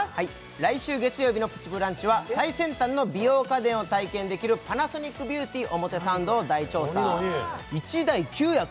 来週月曜日の「プチブランチ」は最先端の美容家電を体験できるパナソニックビューティ表参道を大調査１台９役！？